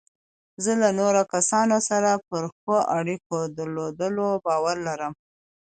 زه له نورو کسانو سره پر ښو اړیکو درلودلو باور لرم.